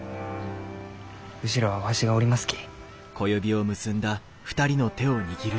後ろはわしがおりますき。